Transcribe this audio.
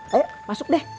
ayo masuk deh